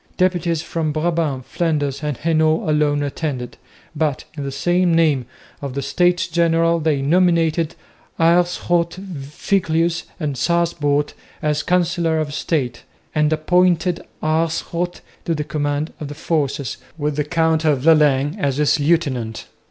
Deputies from Brabant, Flanders and Hainault alone attended, but in the name of the States General they nominated Aerschot, Viglius and Sasbout as Councillors of State, and appointed Aerschot to the command of the forces, with the Count of Lalaing as his lieutenant.